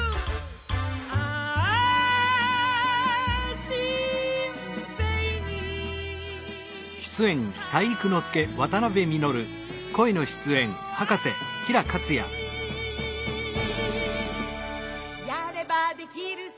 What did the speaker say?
「あぁ、人生に体育あり」「やればできるさ